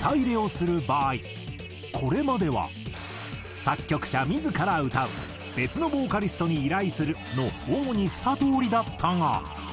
歌入れをする場合これまでは「作曲者自ら歌う」「別のボーカリストに依頼する」の主に２通りだったが。